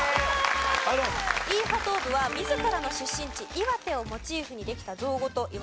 イーハトーブは自らの出身地岩手をモチーフにできた造語といわれています。